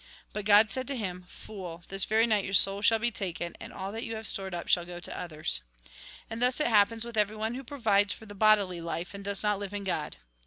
But God said to him :' Fool, this very night your soul shall be taken ; and all that you have stored up shall go to others.' "" And thus it happens with everyone who pro vides for the bodily life, and does not live in God."